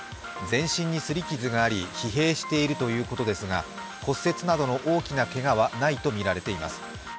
全身に擦り傷があり、疲弊しているということですが骨折などの大きなけがはないとみられています。